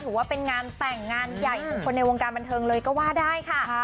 ถือว่าเป็นงานแต่งงานใหญ่ของคนในวงการบันเทิงเลยก็ว่าได้ค่ะ